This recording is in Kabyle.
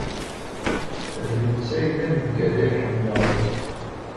D netta ay d aneggal ay ḥemmleɣ akk.